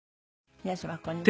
皆様こんにちは。